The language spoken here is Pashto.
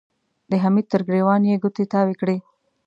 د حميد تر ګرېوان يې ګوتې تاوې کړې.